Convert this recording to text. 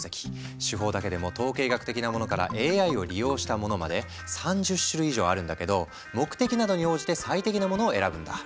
手法だけでも統計学的なものからＡＩを利用したものまで３０種類以上あるんだけど目的などに応じて最適なものを選ぶんだ。